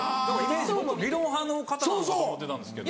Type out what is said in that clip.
理論派の方なのかと思ってたんですけど。